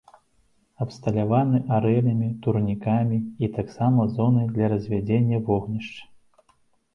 Абсталяваны арэлямі, турнікамі і таксама зонай для развядзення вогнішча.